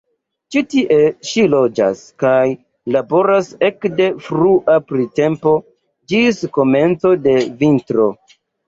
Ĉi tie ŝi loĝas kaj laboras ekde frua printempo ĝis komenco de vintro.